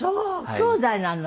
きょうだいなの？